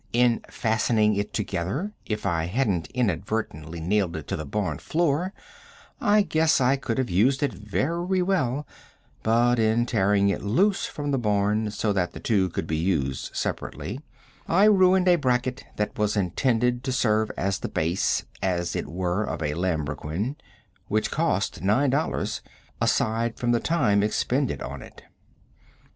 In fastening it together, if I hadn't inadvertently nailed it to the barn floor, I guess I could have used it very well, but in tearing it loose from the barn, so that the two could be used separately, I ruined a bracket that was intended to serve as the base, as it were, of a lambrequin which cost nine dollars, aside from the time expended on it.